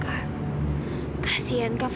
kalau kamu mau berbohong sama aku